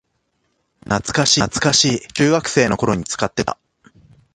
懐かしい、中学生の頃に使ってた